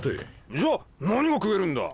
じゃあ何が食えるんだ？